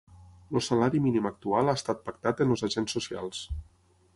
El salari mínim actual ha estat pactat amb els agents socials.